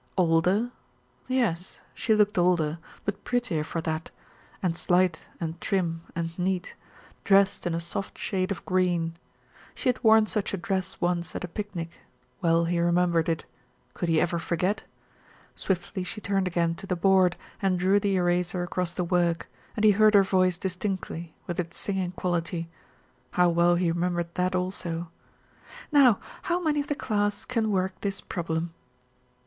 Older? Yes, she looked older, but prettier for that, and slight and trim and neat, dressed in a soft shade of green. She had worn such a dress once at a picnic. Well he remembered it could he ever forget? Swiftly she turned again to the board and drew the eraser across the work, and he heard her voice distinctly, with its singing quality how well he remembered that also "Now, how many of the class can work this problem?"